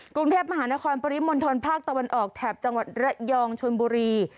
กรุงเทพมหานครปริมณฑลภาคตะวันออกแถบจังหวัดระยองชนบุรี